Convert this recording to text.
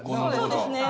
そうですね。